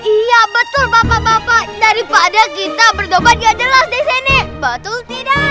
iya betul bapak bapak daripada kita bertobat gak jelas deh sini betul tidak